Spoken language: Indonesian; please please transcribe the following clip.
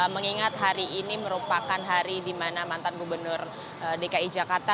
mengingat hari ini merupakan hari di mana mantan gubernur dki jakarta